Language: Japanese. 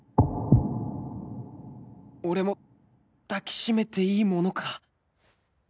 俺も抱きしめていいものか